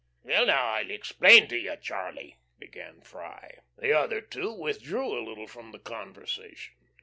"Well, now, I'll explain to you, Charlie," began Freye. The other two withdrew a little from the conversation.